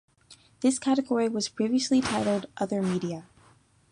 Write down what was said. This category was previously titled "other media".